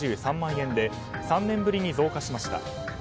円で３年ぶりに増加しました。